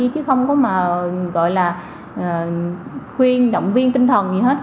chứ không có mà gọi là khuyên động viên tinh thần gì hết